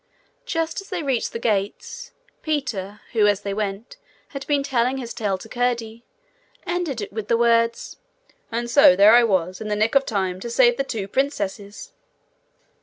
Just as they reached the gates, Peter, who, as they went, had been telling his tale to Curdie, ended it with the words: 'And so there I was, in the nick of time to save the two princesses!'